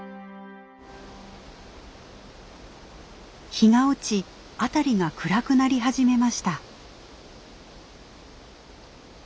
日が落ち辺りが暗くなり始めました。